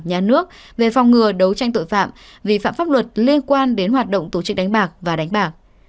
nhà nước về phòng ngừa đấu tranh tội phạm vi phạm pháp luật liên quan đến hoạt động tổ chức đánh bạc và đánh bạc